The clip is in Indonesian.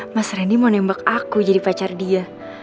mas rendy mau nembak aku jadi pacar dia